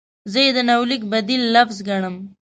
زه یې د یونلیک بدیل لفظ ګڼم.